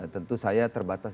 tentu saya terbatas